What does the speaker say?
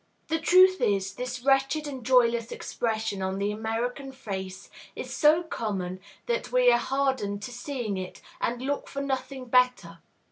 The truth is, this wretched and joyless expression on the American face is so common that we are hardened to seeing it, and look for nothing better.